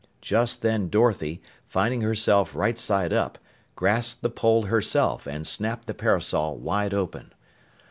Just then Dorothy, finding herself right side up, grasped the pole herself and snapped the parasol wide open.